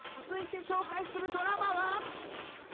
［続いて紹介するドラマは］